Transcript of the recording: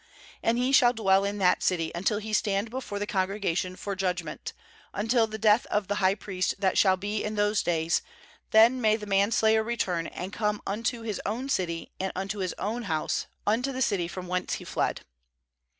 6And he shall dwell in that city, Until he stand before the congregation for judgment, until the death of the high priest that shall be in those days; then may the man slayer return, and come unto his own city, and unto his own house, unto the city from whence he fled.